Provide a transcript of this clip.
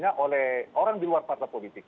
hanya oleh orang di luar partai politik